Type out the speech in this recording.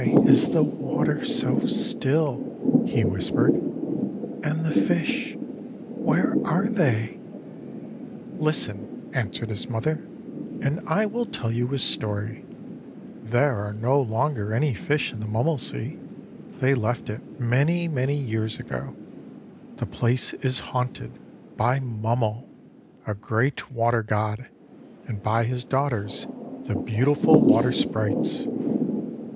"Why is the water so still?" he whispered; "and the fish, where are they?" "Listen," answered his mother, "and I will tell you a story. There are no longer any fish in the Mummelsee; they left it many, many years ago. The place is haunted by Mummel, a great water god, and by his daughters, the beautiful water sprites.